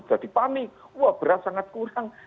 jadi panik wah berat sangat kurang